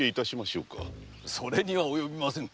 それには及びませぬ。